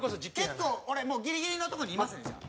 結構俺ギリギリのとこにいますねじゃあ。